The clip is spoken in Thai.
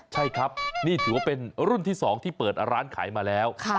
ใช่ครับนี่ถือว่าเป็นรุ่นที่๒ที่เปิดร้านขายมาแล้ว